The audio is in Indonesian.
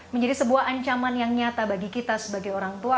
menjadi sebuah ancaman yang nyata bagi kita sebagai orang tua